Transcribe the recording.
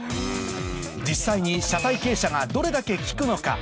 実際に車体傾斜がどれだけ利くのか